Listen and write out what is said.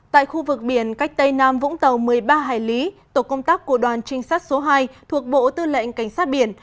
tại khu vực biển cách tây nam vũng tàu một mươi ba hải lý tổ công tác của đoàn trinh sát số hai thuộc bộ tư lệnh cảnh sát biển